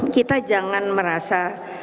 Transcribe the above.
kita jangan merasa